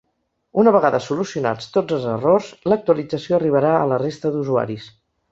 Una vegada solucionats tots els errors, l’actualització arribarà a la resta d’usuaris.